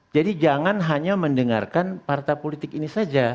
jadi jangan hanya mendengarkan partai politik ini saja